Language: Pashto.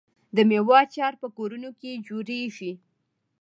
د میوو اچار په کورونو کې جوړیږي.